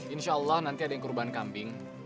insya allah nanti ada yang kurban kambing